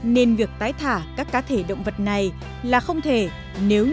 nên việc tái thả các cá thể động vật này là không thể